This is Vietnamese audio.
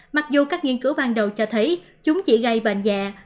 mặc dù các nghiên cứu ban đầu cho thấy chúng chỉ gây bệnh dạ